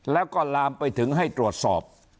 แล้วก็ลามไปถึงให้ตรวจสอบ